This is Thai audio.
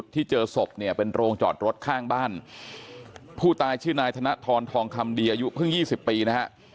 ที่เจอศพเนี่ยเป็นโรงจอดรถข้างบ้านผู้ตายชื่อนายธนทรทองคำดีอายุเพิ่ง๒๐ปีนะฮะ